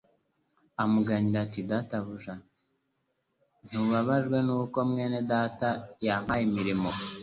amuganyira, ati : «Databuja, ntubabajwe n'uko mwene data yampariye imirimo?